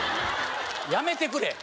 やめてくれ！